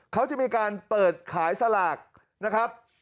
เขาจะมีการเปิดขายสลากนะครับ